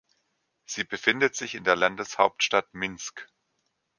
Sie befindet sich in der Landeshauptstadt Minsk.